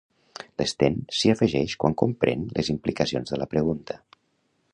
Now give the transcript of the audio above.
L'Sten s'hi afegeix quan comprèn les implicacions de la pregunta.